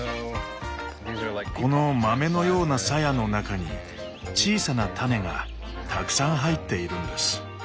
この豆のようなさやの中に小さな種がたくさん入っているんです。